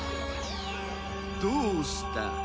どうした？